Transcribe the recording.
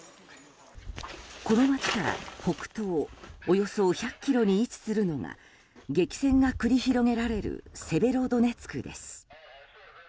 この街から、北東およそ１００ｋｍに位置するのが激戦が繰り広げられるセベロドネツクです。